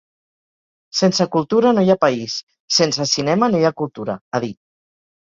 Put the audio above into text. Sense cultura no hi ha país, sense cinema no hi ha cultura, ha dit.